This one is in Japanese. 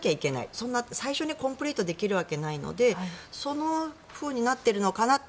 そんな最初にコンプリートできるわけないのでそうなっているのかなって。